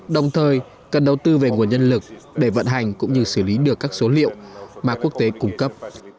đồng thời cần đầu tư về nguồn nhân lực để vận hành cũng như xử lý được các số liệu mà quốc tế cung cấp